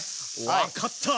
分かった！